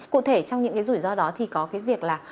cụ thể trong những rủi ro đó thì có việc là